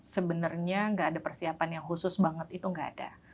sebenarnya nggak ada persiapan yang khusus banget itu nggak ada